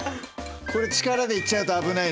これ力でいっちゃうと危ないね。